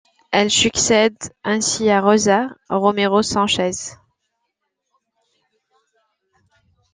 Elle succède ainsi à Rosa Romero Sánchez.